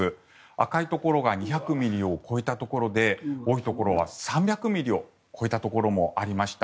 赤いところが２００ミリを超えたところで多いところは３００ミリを超えたところもありました。